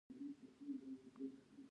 د صادراتو لپاره کوم اسناد پکار دي؟